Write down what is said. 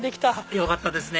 よかったですね！